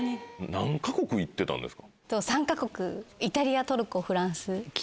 何か国行ってたんですか？